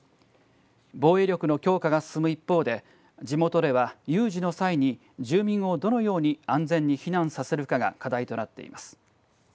防衛力の強化が進む一方で地元では有事の際に住民をどのように安全に避難させるかが課題となっています。